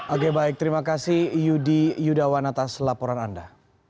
oke baik terima kasih yudi yudawan atas laporan anda